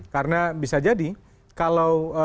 karena bisa jadi kalau